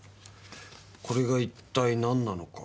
これが一体何なのか。